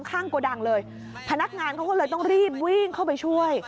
โกดังเลยพนักงานเขาก็เลยต้องรีบวิ่งเข้าไปช่วย